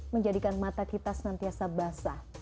menjadikan mata kita senantiasa basah